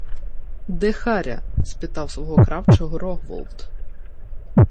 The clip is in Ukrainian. — Де Харя? — спитав свого кравчого Рогволод.